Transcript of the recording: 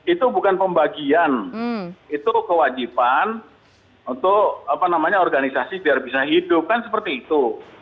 itu bukan pembagian itu kewajiban untuk organisasi biar bisa hidup kan seperti itu